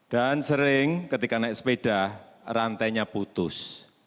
dan sering ketika naik sepeda rantainya putus